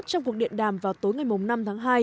trong cuộc điện đàm vào tối ngày năm tháng hai